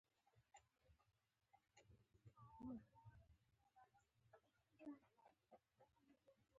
له ټولو کار کوونکو سره په احترام او ډيپلوماتيکه توګه خبرې کول.